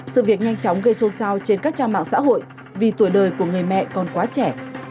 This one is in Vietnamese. sự việc nhanh chóng gây xôn xao trên các trang mạng xã hội vì tuổi đời của người mẹ còn quá trẻ